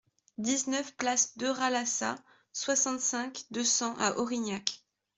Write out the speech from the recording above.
dix-neuf place Deras Laças, soixante-cinq, deux cents à Orignac